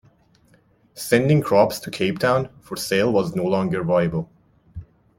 Sending crops to Cape Town for sale was no longer viable.